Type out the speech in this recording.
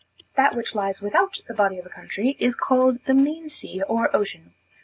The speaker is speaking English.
That which lies without the body of a country is called the main sea or ocean.